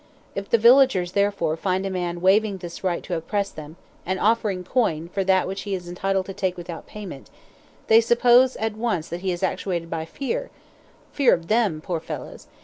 If the villagers therefore find a man waiving this right to oppress them, and offering coin for that which he is entitled to take without payment, they suppose at once that he is actuated by fear (fear of them, poor fellows!)